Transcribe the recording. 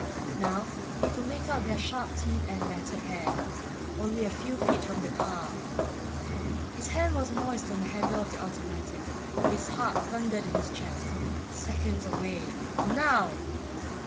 Now he could make out their sharp teeth and matted hair. Only a few feet from the car ... His hand was moist on the handle of the automatic; his heart thundered against his chest. Seconds away ... Now!